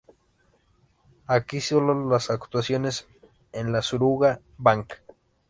Aquí solo las actuaciones en la Suruga Bank.